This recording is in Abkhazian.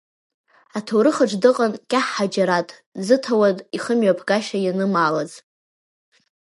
Аҭоурыхаҿ дыҟан Кьахь Ҳаџьараҭ, зыҭауад ихымҩаԥгашьа ианымаалаз.